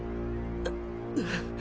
ううん。